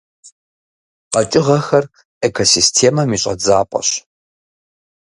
КъэкӀыгъэхэр экосистемэм и щӀэдзапӀэщ.